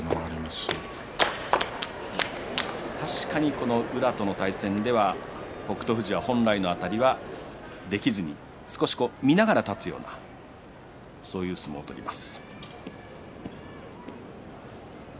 確かに、この宇良との対戦では北勝富士が本来のあたりができずに少し見ながら立つようなそういう相撲です。